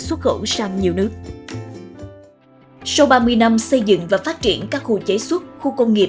xuất khẩu sang nhiều nước sau ba mươi năm xây dựng và phát triển các khu chế xuất khu công nghiệp